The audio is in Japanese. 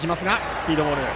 スピードボール。